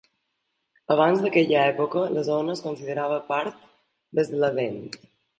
Abans d'aquella època, la zona es considerava part de Vestlandet.